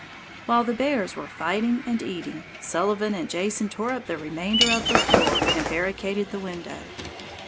While the bears were fighting and eating, Sullivan and Jason tore up the remainder of the floor and barricaded the window.